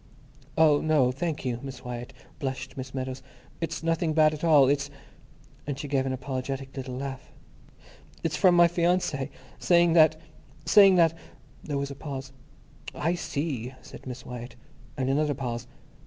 "Oh, no, thank you, Miss Wyatt," blushed Miss Meadows. "It's nothing bad at all. It's"—and she gave an apologetic little laugh—"it's from my fiancé saying that... saying that—" There was a pause. "I see," said Miss Wyatt. And another pause.